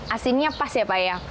asinnya pas ya pak ya